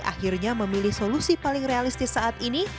akhirnya memilih solusi paling realistis saat ini